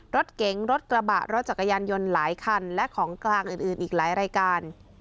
รถเก๋งรถกระบะรถจักรยานยนต์หลายคันและของกลางอื่นอีกหลายรายการ